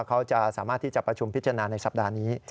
เขาจะสามารถที่จะประชุมพิจารณาในสัปดาห์นี้